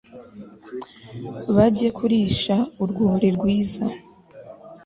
bajye kurisha urwuri rwiza